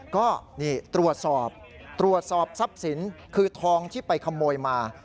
ก็นี่ตรวจสอบตรวจสอบทรัพย์สินคือทองที่ไปขโมยมา